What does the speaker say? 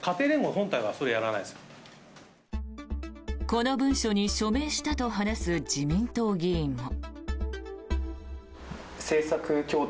この文書に署名したと話す自民党議員も。